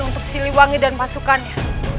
untuk siliwangi dan pasukannya